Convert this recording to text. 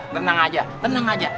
tenang aja tenang aja